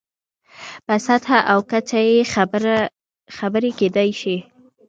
په سطحه او کچه یې خبرې کېدای شي.